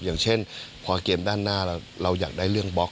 อย่างเช่นพอเกมด้านหน้าเราอยากได้เรื่องบล็อก